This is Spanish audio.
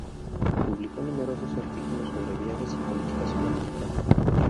Publicó numerosos artículos sobre viajes y política sudamericana.